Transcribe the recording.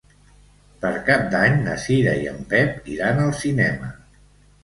Per Cap d'Any na Cira i en Pep iran al cinema.